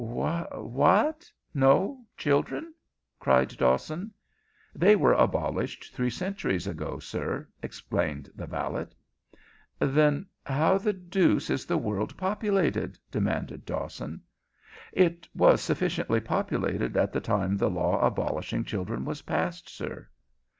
"Wha what? No children?" cried Dawson. "They were abolished three centuries ago, sir," explained the valet. "Then how the deuce is the world populated?" demanded Dawson. "It was sufficiently populated at the time the law abolishing children was passed, sir."